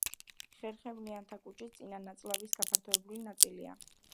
ხერხემლიანთა კუჭი წინა ნაწლავის გაფართოებული ნაწილია.